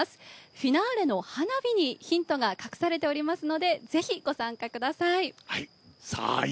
フィナーレの花火にヒントが隠されていますので、ぜひ、ご参加ください。